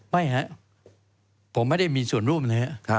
ไม่ครับผมไม่ได้มีส่วนร่วมเลย